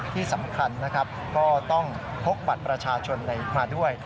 ที่สำคัญนะครับก็ต้องพกบัตรประชาชนมาด้วย